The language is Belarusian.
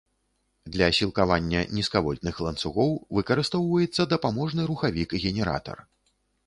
Для сілкавання нізкавольтных ланцугоў выкарыстоўваецца дапаможны рухавік-генератар.